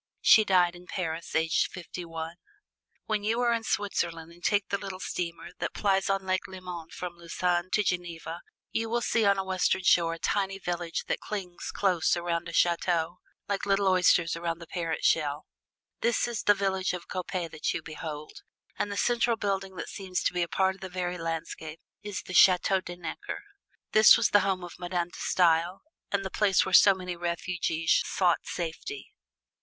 She died in Paris aged fifty one. When you are in Switzerland and take the little steamer that plies on Lake Leman from Lausanne to Geneva, you will see on the western shore a tiny village that clings close around a chateau, like little oysters around the parent shell. This is the village of Coppet that you behold, and the central building that seems to be a part of the very landscape is the Chateau De Necker. This was the home of Madame De Stael and the place where so many refugees sought safety.